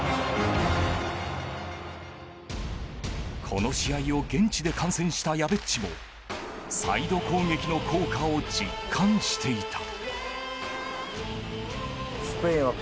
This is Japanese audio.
この試合を現地で観戦したやべっちもサイド攻撃の効果を実感していた。